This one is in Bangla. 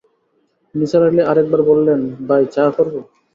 নিসার আলি আরেক বার বললেন, ভাই, চা করব?